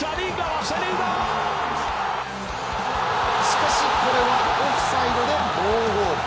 しかし、これはオフサイドでノーゴール。